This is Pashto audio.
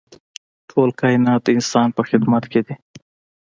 ټول کاینات د انسان په خدمت کې دي.